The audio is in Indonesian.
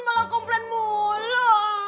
malah komplain mulu